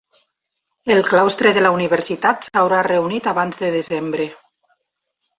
El Claustre de la universitat s'haurà reunit abans de desembre.